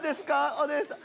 おねえさん。